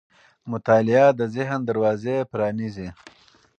مطالعه د ذهن دروازې پرانیزي.